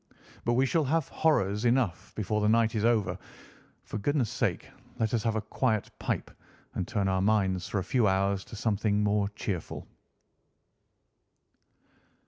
But we shall have horrors enough before the night is over; for goodness' sake let us have a quiet pipe and turn our minds for a few hours to something more cheerful."